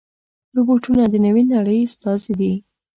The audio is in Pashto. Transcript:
روبوټونه د نوې نړۍ استازي دي.